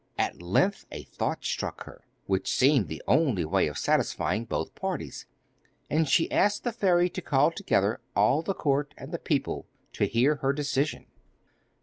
At length a thought struck her, which seemed the only way of satisfying both parties, and she asked the fairy to call together all the court and the people to hear her decision.